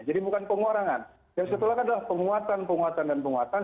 jadi bukan pengurangan yang setelahnya adalah penguatan penguatan dan penguatan